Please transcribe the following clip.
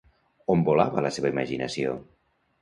On volava la seva imaginació?